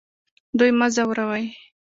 دوی مه ځوروئ